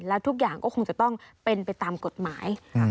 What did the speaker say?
แล้วทุกอย่างก็คงจะต้องเป็นไปตามกฎหมาย